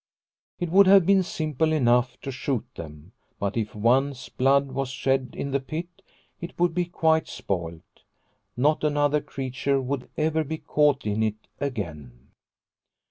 It would have been simple enough to shoot them, but if once blood was shed in the pit, it would be quite spoilt ; not another creature would ever be caught in it again.